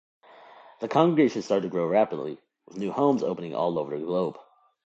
The Congregation started to grow rapidly, with new homes opening all over the globe.